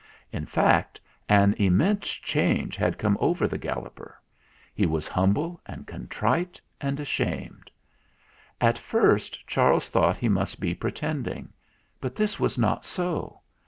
In fact, an im mense change had come over the Galloper. He was humble and contrite and ashamed. At first Charles thought he must be pretending; but this was not so.